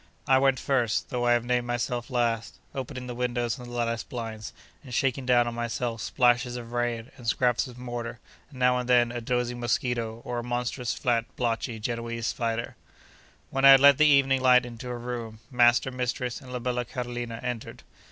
I went first, though I have named myself last, opening the windows and the lattice blinds, and shaking down on myself splashes of rain, and scraps of mortar, and now and then a dozing mosquito, or a monstrous, fat, blotchy, Genoese spider. When I had let the evening light into a room, master, mistress, and la bella Carolina, entered.